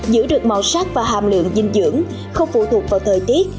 giữ được màu sắc và hàm lượng dinh dưỡng không phụ thuộc vào thời tiết